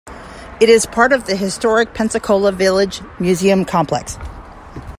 It is part of the Historic Pensacola Village museum complex.